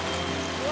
うわ！